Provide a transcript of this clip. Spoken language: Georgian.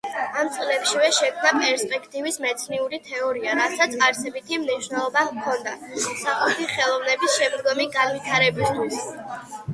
ამ წლებშივე შექმნა პერსპექტივის მეცნიერული თეორია, რასაც არსებითი მნიშვნელობა ჰქონდა სახვითი ხელოვნების შემდგომი განვითარებისთვის.